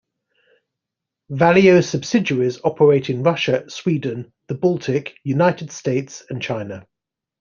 Valio subsidiaries operate in Russia, Sweden, the Baltic, United States and China.